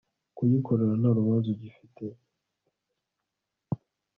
kuyikorera nta rubanza ugifite